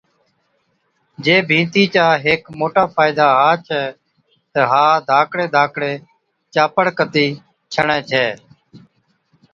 جي ڀِيتي چا هيڪ موٽا فائِدا ها ڇَي تہ ها ڌاڪڙي ڌاڪڙي چاپڙ ڪتِي ڇَڻي ڇَي